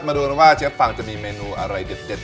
มาดูกันว่าเชฟฟังจะมีเมนูอะไรเด็ด